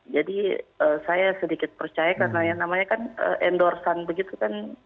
jadi saya sedikit percaya karena yang namanya kan endorsement begitu kan